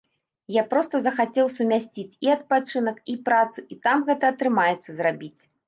Я проста захацеў сумясціць і адпачынак, і працу, і там гэта атрымаецца зрабіць.